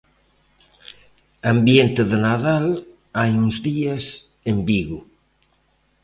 Ambiente de Nadal, hai uns días, en Vigo.